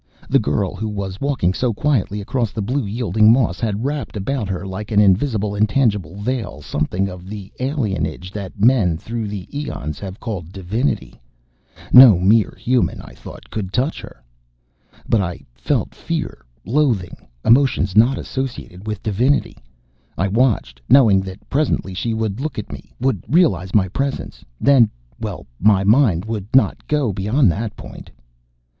The girl who was walking so quietly across the blue yielding moss had wrapped about her, like an invisible, intangible veil, something of the alienage that men, through the eons, have called divinity. No mere human, I thought, could touch her. But I felt fear, loathing emotions not associated with divinity. I watched, knowing that presently she would look at me, would realize my presence. Then well, my mind would not go beyond that point....